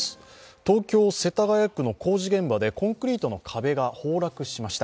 東京・世田谷区の工事現場でコンクリートの壁が崩落しました。